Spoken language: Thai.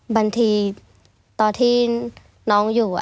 บางทีตอนที่น้องอยู่